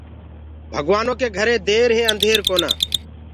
ڀگوآنو ڪيٚ گهري دير هي انڌير ڪونآ۔